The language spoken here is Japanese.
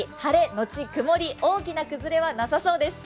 のち曇り、大きな崩れはなさそうです。